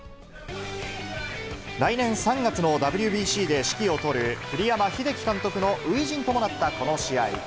来年３月のＷＢＣで指揮を執る栗山英樹監督の初陣ともなったこの試合。